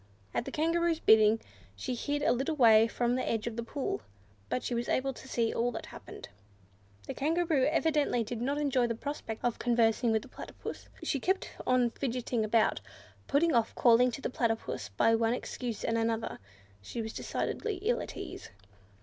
At the Kangaroo's bidding, she hid a little way from the edge of the pool, but she was able to see all that happened. The Kangaroo evidently did not enjoy the prospect of conversing with the Platypus. She kept on fidgeting about, putting off calling to the Platypus by one excuse and another: she was decidedly ill at ease.